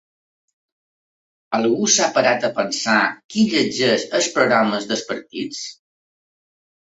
Algú s’ha parat a pensar qui llegeix els programes dels partits?